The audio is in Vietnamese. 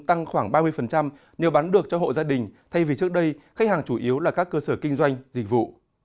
tăng khoảng ba mươi nhờ bán được cho hộ gia đình thay vì trước đây khách hàng chủ yếu là các cơ sở kinh doanh dịch vụ